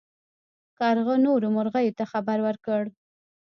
کارغه نورو مرغیو ته خبر ورکړ.